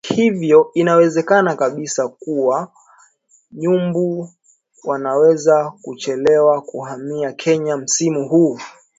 hivyo inawezekana kabisa kuwa Nyumbu wanaweza kuchelewa kuhamia Kenya msimu huu